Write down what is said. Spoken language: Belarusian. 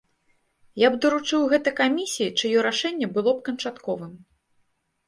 Я б даручыў гэта камісіі, чыё рашэнне было б канчатковым.